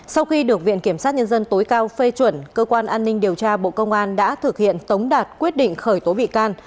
sau khi được viện kiểm sát nhân dân tối cao phê chuẩn cơ quan an ninh điều tra bộ công an đã thực hiện tống đạt quyết định khởi tố bị can